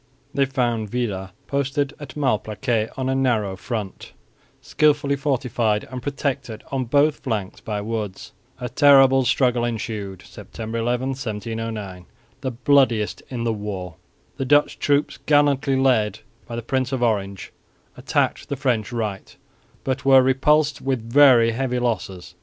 They found Villars posted at Malplaquet on a narrow front, skilfully fortified and protected on both flanks by woods. A terrible struggle ensued (September 11, 1709), the bloodiest in the war. The Dutch troops gallantly led by the Prince of Orange attacked the French right, but were repulsed with very heavy losses.